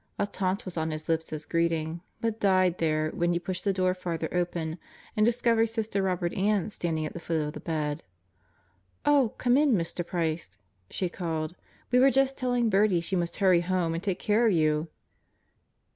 A taunt was on his lips as greeting, but died there when he pushed the door farther open and discovered Sister Robert Ann standing at the foot of the bed. "Oh, come in, Mr. Price," she called. "We were just telling Birdie she must hurry home and take care of you."